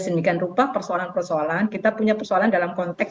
sedemikian rupa persoalan persoalan kita punya persoalan dalam konteks